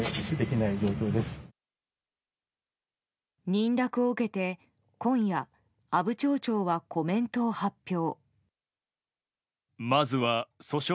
認諾を受けて今夜、阿武町長はコメントを発表。